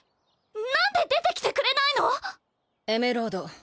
なんで出てきてくれないの⁉エメロード